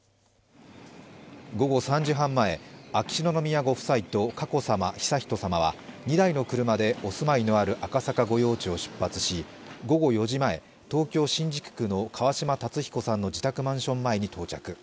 午後３時半前、秋篠宮ご夫妻と佳子さま、悠仁さまは２台の車でお住まいのある赤坂御用地を出発し、午後４時前、東京・新宿区の川嶋辰彦さんの自宅マンション前に到着。